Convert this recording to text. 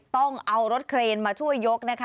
ต้องเอารถเครนมาช่วยยกนะคะ